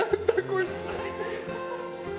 こいつ。